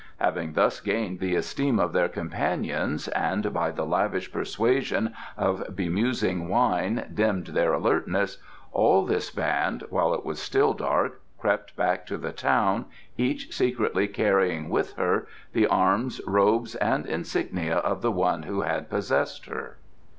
Having thus gained the esteem of their companions, and by the lavish persuasion of bemusing wine dimmed their alertness, all this band, while it was still dark, crept back to the town, each secretly carrying with her the arms, robes and insignia of the one who had possessed her.